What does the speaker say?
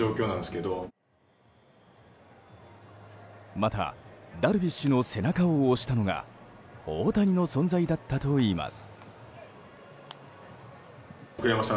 また、ダルビッシュの背中を押したのが大谷の存在だったといいます。